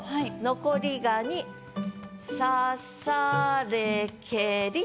「残り蚊に刺されけり」と。